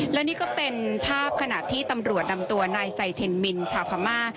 และนี่ก็เป็นภาพขณะที่ตำรวจนำตัวนายไซเทนมินชาวพม่า